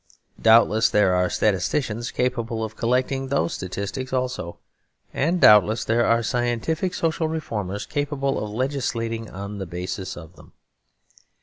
Doubtless there are statisticians capable of carefully collecting those statistics also; and doubtless there are scientific social reformers capable of legislating on the basis of them.